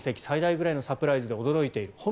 最大くらいのサプライズで驚いている。